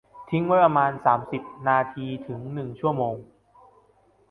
ทิ้งไว้ประมาณ สามสิบ นาที ถึง หนึ่ง ชั่วโมง